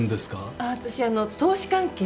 私あの投資関係